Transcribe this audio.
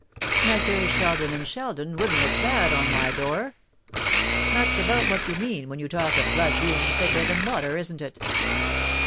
Messrs. Sheldon and Sheldon wouldn't look bad on my door. That's about what you mean when you talk of blood being thicker than water, isn't it?"